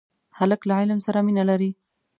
هلک له علم سره مینه لري.